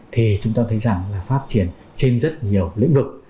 thì chúng ta thấy rằng là phát triển trên rất nhiều lĩnh vực